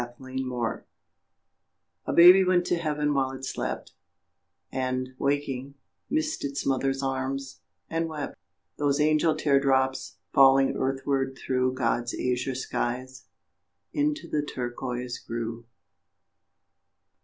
TURQUOISE A baby went to heaven while it slept, And, waking, missed its mother's arms, and wept. Those angel tear drops, falling earthward through God's azure skies, into the turquoise grew.